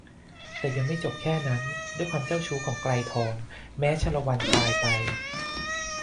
แต่ยังไม่จบแค่นั้นด้วยความเจ้าชู้ของไกรทองแม้ชาละวันตายไป